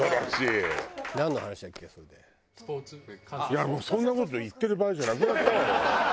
いやもうそんな事言ってる場合じゃなくなったわ。